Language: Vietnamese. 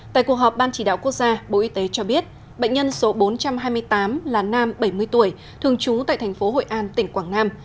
tại cuộc họp ban chỉ đạo quốc gia bộ y tế cho biết bệnh nhân số bốn trăm hai mươi tám là nam bảy mươi tuổi thường trú tại thành phố hội an tỉnh quảng nam